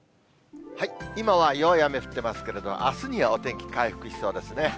今は弱い雨降ってますけど、あすにはお天気回復しそうですね。